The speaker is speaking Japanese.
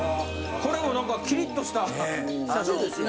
これもなんかキリッとした写真ですが。